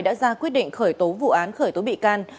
đã ra quyết định khởi tố vụ án khởi tố bị can